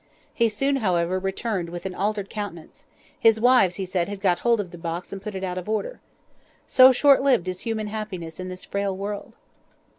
He soon, however, returned with an altered countenance; his wives, he said, had got hold of the box and put it out of order. So short lived is human happiness in this frail world!